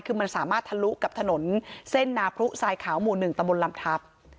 คือมันสามารถทะลุกับถนนเส้นนาพรุทรายขาวหมู่๑ตะบนลำทับ